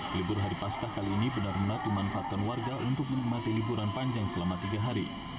libur hari pascah kali ini benar benar dimanfaatkan warga untuk menikmati liburan panjang selama tiga hari